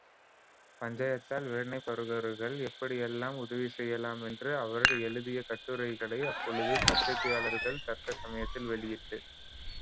பஞ்சத்தால் வேதனைப்படுவோர்களுக்கு எப்படியெல்லாம் உதவிசெய்யலாம் என்று அவர் எழுதியக் கட்டுரைகளை அப்போதுள்ள பத்திரிக்கைகள் தக்க சமயத்தில் வெளியிட்டு உதவின.